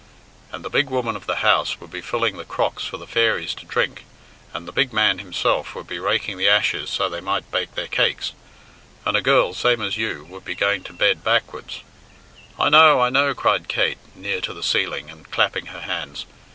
And the big woman of the house would be filling the crocks for the fairies to drink, and the big man himself would be raking the ashes so they might bake their cakes, and a girl, same as you, would be going to bed backwards " "I know! I know!" cried Kate, near to the ceiling, and clapping her hands.